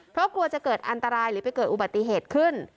เพราะกลัวจะเกิดอันตรายหรือไปเกิดอุบัติเหตุขึ้น